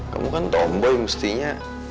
kamu kan tomboy mestinya